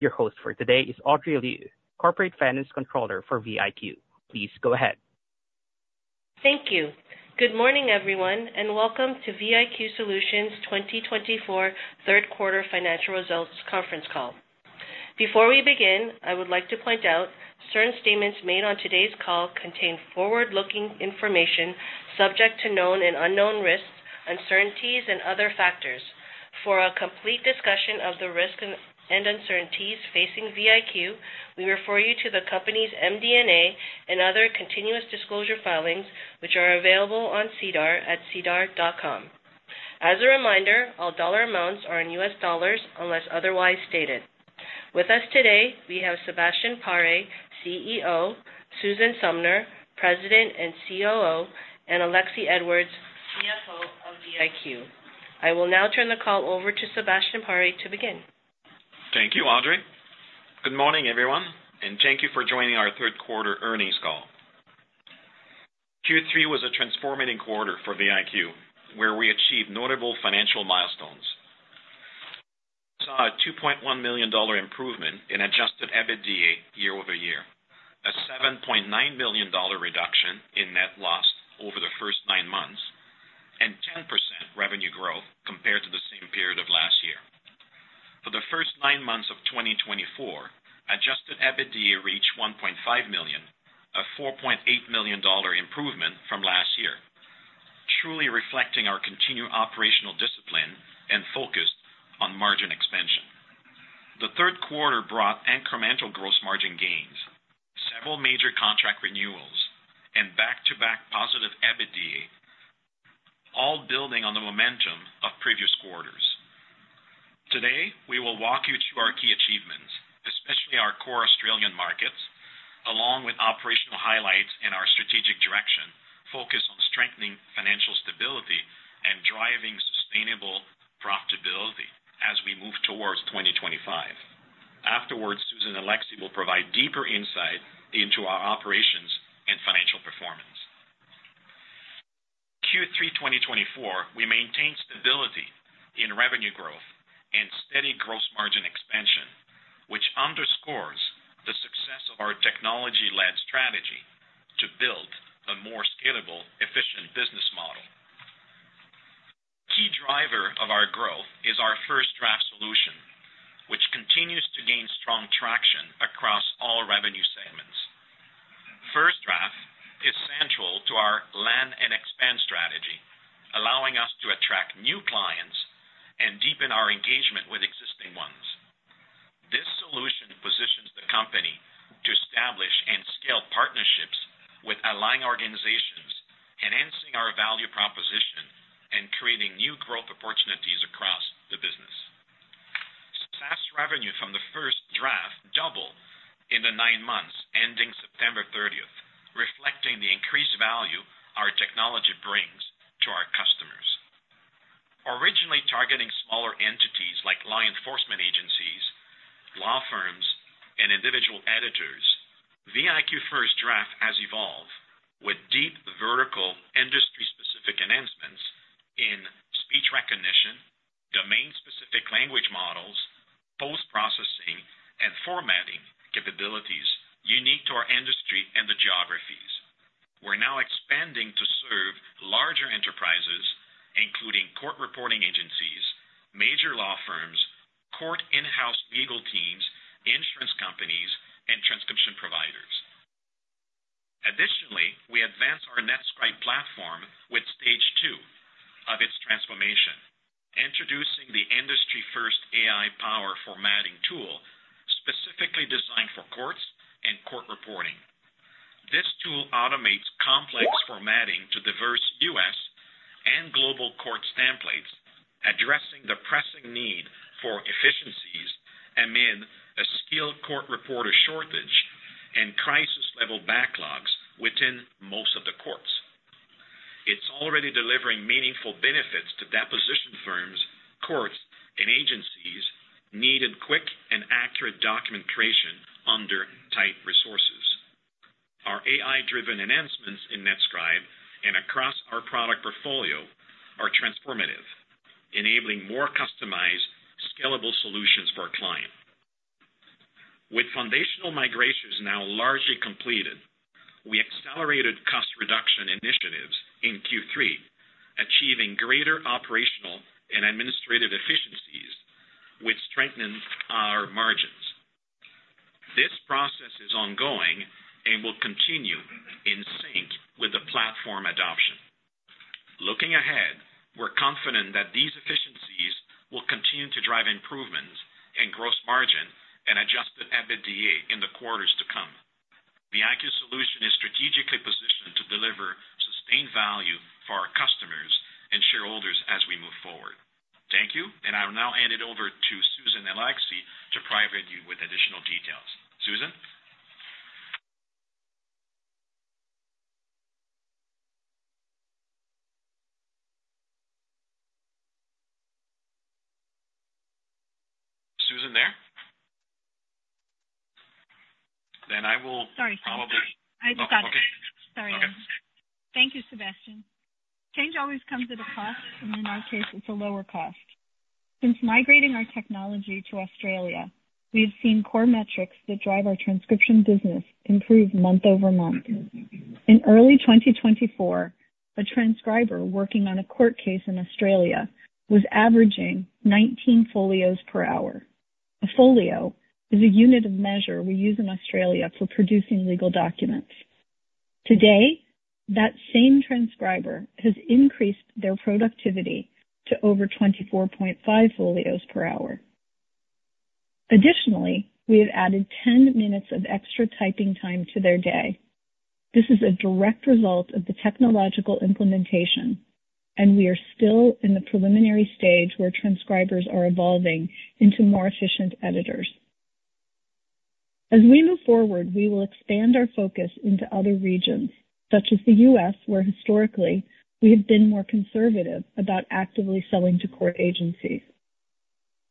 Your host for today is Audrey Liu, Corporate Finance Controller for VIQ. Please go ahead. Thank you. Good morning, everyone, and welcome to VIQ Solutions' 2024 Third Quarter Financial Results Conference Call. Before we begin, I would like to point out certain statements made on today's call contain forward-looking information subject to known and unknown risks, uncertainties, and other factors. For a complete discussion of the risks and uncertainties facing VIQ, we refer you to the company's MD&A and other continuous disclosure filings, which are available on SEDAR at sedar.com. As a reminder, all dollar amounts are in U.S. dollars unless otherwise stated. With us today, we have Sebastien Paré, CEO, Susan Sumner, President and COO, and Alexie Edwards, CFO of VIQ. I will now turn the call over to Sebastien Paré to begin. Thank you, Audrey. Good morning, everyone, and thank you for joining our Third Quarter Earnings Call. Q3 was a transformative quarter for VIQ, where we achieved notable financial milestones. We saw a $2.1 million improvement in Adjusted EBITDA year-over-year, a $7.9 million reduction in net loss over the first nine months, and 10% revenue growth compared to the same period of last year. For the first nine months of 2024, Adjusted EBITDA reached $1.5 million, a $4.8 million improvement from last year, truly reflecting our continued operational discipline and focus on margin expansion. The third quarter brought incremental gross margin gains, several major contract renewals, and back-to-back positive EBITDA, all building on the momentum of previous quarters. Today, we will walk you through our key achievements, especially our core Australian markets, along with operational highlights and our strategic direction focused on strengthening financial stability and driving sustainable profitability as we move towards 2025. Afterwards, Susan and Alexie will provide deeper insight into our operations and financial performance. Q3 2024, we maintained stability in revenue growth and steady gross margin expansion, which underscores the success of our technology-led strategy to build a more scalable, efficient business model. A key driver of our growth is our FirstDraft solution, which continues to gain strong traction across all revenue segments. FirstDraft is central to our land and expand strategy, allowing us to attract new clients and deepen our engagement with existing ones. This solution positions the company to establish and scale partnerships with aligned organizations, enhancing our value proposition and creating new growth opportunities across the business. SaaS revenue from the FirstDraft doubled in the nine months ending September 30th, reflecting the increased value our technology brings to our customers. Originally targeting smaller entities like law enforcement agencies, law firms, and individual editors, VIQ FirstDraft has evolved with deep vertical industry-specific enhancements in speech recognition, domain-specific language models, post-processing, and formatting capabilities unique to our industry and the geographies. We're now expanding to serve larger enterprises, including court reporting agencies, major law firms, court in-house legal teams, insurance companies, and transcription providers. Additionally, we advance our NetScribe platform with stage two of its transformation, introducing the industry-first AI-powered formatting tool specifically designed for courts and court reporting. This tool automates complex formatting to diverse U.S. and global court templates, addressing the pressing need for efficiencies amid a skilled court reporter shortage and crisis-level backlogs within most of the courts. It's already delivering meaningful benefits to deposition firms, courts, and agencies needing quick and accurate documentation under tight resources. Our AI-driven enhancements in NetScribe and across our product portfolio are transformative, enabling more customized, scalable solutions for our clients. With foundational migrations now largely completed, we accelerated cost reduction initiatives in Q3, achieving greater operational and administrative efficiencies which strengthened our margins. This process is ongoing and will continue in sync with the platform adoption. Looking ahead, we're confident that these efficiencies will continue to drive improvements in gross margin and Adjusted EBITDA in the quarters to come. VIQ Solutions is strategically positioned to deliver sustained value for our customers and shareholders as we move forward. Thank you, and I'll now hand it over to Susan and Alexie to provide you with additional details. Susan? Susan there? Then I will probably. Sorry, Sebastien. I just got, sorry. Oh, okay. Thank you, Sébastien. Change always comes at a cost, and in our case, it's a lower cost. Since migrating our technology to Australia, we have seen core metrics that drive our transcription business improve month over month. In early 2024, a transcriber working on a court case in Australia was averaging 19 folios per hour. A folio is a unit of measure we use in Australia for producing legal documents. Today, that same transcriber has increased their productivity to over 24.5 folios per hour. Additionally, we have added 10 minutes of extra typing time to their day. This is a direct result of the technological implementation, and we are still in the preliminary stage where transcribers are evolving into more efficient editors. As we move forward, we will expand our focus into other regions, such as the U.S., where historically we have been more conservative about actively selling to court agencies.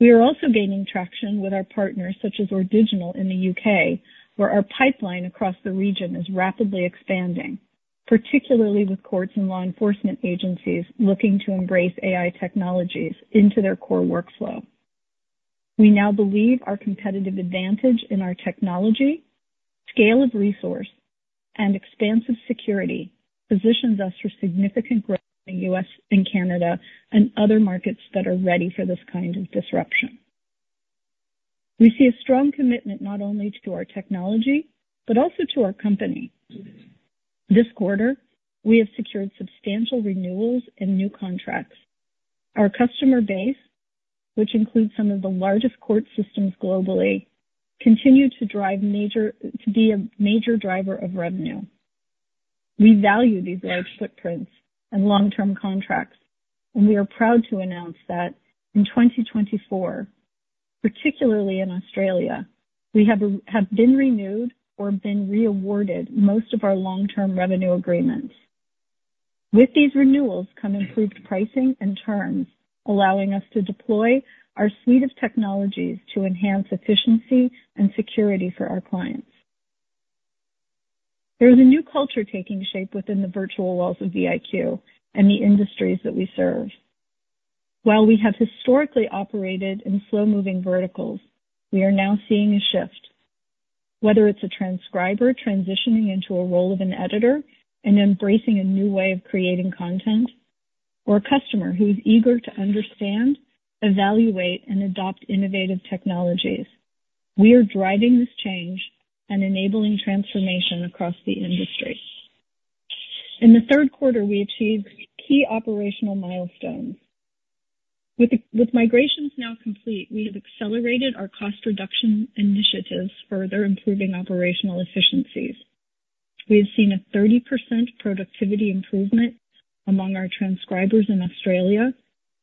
We are also gaining traction with our partners, such as ORdigiNAL in the U.K., where our pipeline across the region is rapidly expanding, particularly with courts and law enforcement agencies looking to embrace AI technologies into their core workflow. We now believe our competitive advantage in our technology, scale of resource, and expansive security positions us for significant growth in the U.S. and Canada and other markets that are ready for this kind of disruption. We see a strong commitment not only to our technology but also to our company. This quarter, we have secured substantial renewals and new contracts. Our customer base, which includes some of the largest court systems globally, continues to be a major driver of revenue. We value these large footprints and long-term contracts, and we are proud to announce that in 2024, particularly in Australia, we have been renewed or been reawarded most of our long-term revenue agreements. With these renewals come improved pricing and terms, allowing us to deploy our suite of technologies to enhance efficiency and security for our clients. There is a new culture taking shape within the virtual worlds of VIQ and the industries that we serve. While we have historically operated in slow-moving verticals, we are now seeing a shift. Whether it's a transcriber transitioning into a role of an editor and embracing a new way of creating content, or a customer who is eager to understand, evaluate, and adopt innovative technologies, we are driving this change and enabling transformation across the industry. In the third quarter, we achieved key operational milestones. With migrations now complete, we have accelerated our cost reduction initiatives further, improving operational efficiencies. We have seen a 30% productivity improvement among our transcribers in Australia,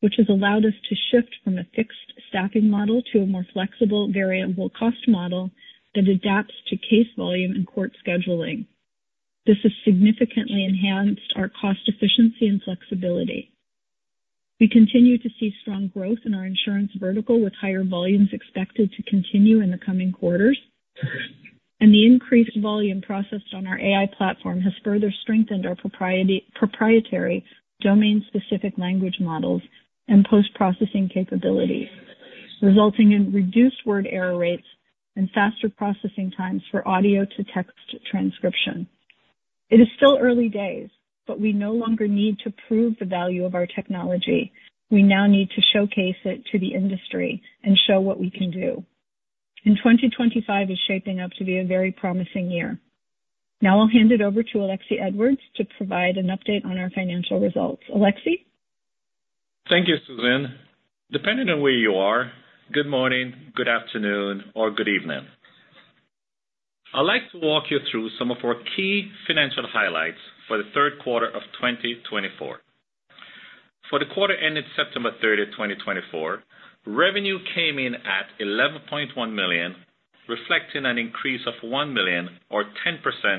which has allowed us to shift from a fixed staffing model to a more flexible, variable cost model that adapts to case volume and court scheduling. This has significantly enhanced our cost efficiency and flexibility. We continue to see strong growth in our insurance vertical, with higher volumes expected to continue in the coming quarters, and the increased volume processed on our AI platform has further strengthened our proprietary domain-specific language models and post-processing capabilities, resulting in reduced word error rates and faster processing times for audio-to-text transcription. It is still early days, but we no longer need to prove the value of our technology. We now need to showcase it to the industry and show what we can do. 2025 is shaping up to be a very promising year. Now I'll hand it over to Alexie Edwards to provide an update on our financial results. Alexie? Thank you, Susan. Depending on where you are, good morning, good afternoon, or good evening. I'd like to walk you through some of our key financial highlights for the third quarter of 2024. For the quarter ended September 30th, 2024, revenue came in at $11.1 million, reflecting an increase of $1 million, or 10%,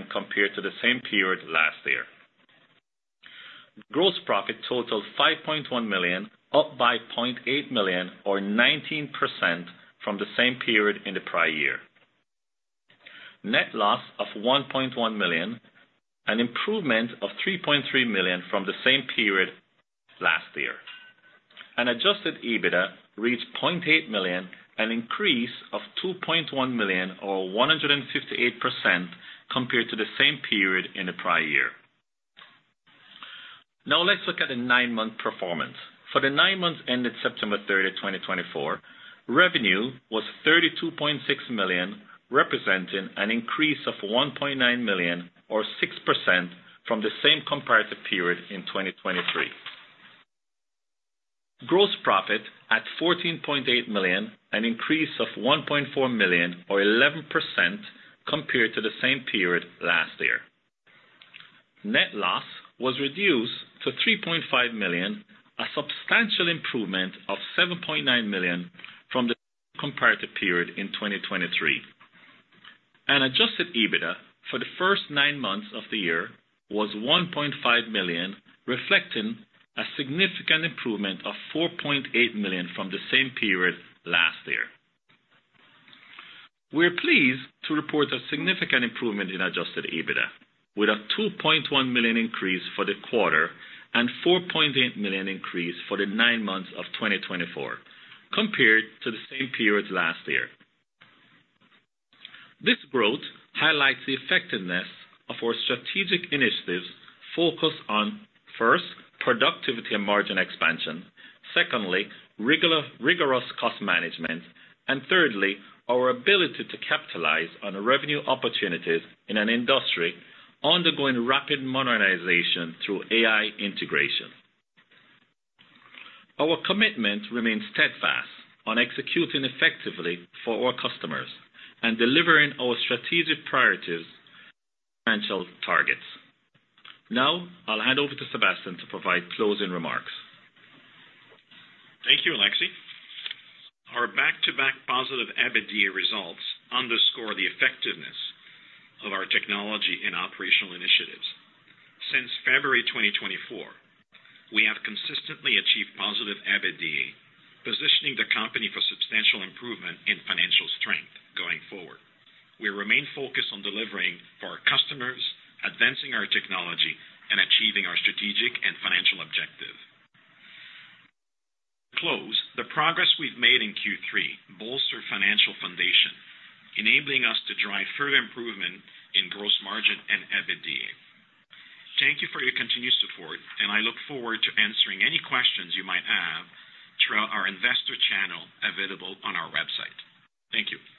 compared to the same period last year. Gross profit totaled $5.1 million, up by $0.8 million, or 19%, from the same period in the prior year. Net loss of $1.1 million, an improvement of $3.3 million from the same period last year. An Adjusted EBITDA reached $0.8 million, an increase of $2.1 million, or 158%, compared to the same period in the prior year. Now let's look at the nine-month performance. For the nine months ended September 30th, 2024, revenue was $32.6 million, representing an increase of $1.9 million, or 6%, from the same comparative period in 2023. Gross profit at $14.8 million, an increase of $1.4 million, or 11%, compared to the same period last year. Net loss was reduced to $3.5 million, a substantial improvement of $7.9 million from the comparative period in 2023. An Adjusted EBITDA for the first nine months of the year was $1.5 million, reflecting a significant improvement of $4.8 million from the same period last year. We're pleased to report a significant improvement in Adjusted EBITDA, with a $2.1 million increase for the quarter and $4.8 million increase for the nine months of 2024, compared to the same period last year. This growth highlights the effectiveness of our strategic initiatives focused on, first, productivity and margin expansion, secondly, rigorous cost management, and thirdly, our ability to capitalize on revenue opportunities in an industry undergoing rapid modernization through AI integration. Our commitment remains steadfast on executing effectively for our customers and delivering our strategic priorities and financial targets. Now I'll hand over to Sébastien to provide closing remarks. Thank you, Alexie. Our back-to-back positive EBITDA results underscore the effectiveness of our technology and operational initiatives. Since February 2024, we have consistently achieved positive EBITDA, positioning the company for substantial improvement and financial strength going forward. We remain focused on delivering for our customers, advancing our technology, and achieving our strategic and financial objective. To close, the progress we've made in Q3 bolstered financial foundation, enabling us to drive further improvement in gross margin and EBITDA. Thank you for your continued support, and I look forward to answering any questions you might have throughout our investor channel available on our website. Thank you.